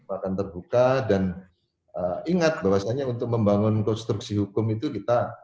akan terbuka dan ingat bahwasannya untuk membangun konstruksi hukum itu kita